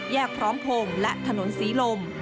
แยกพร้อมพงศ์และถนนสีลม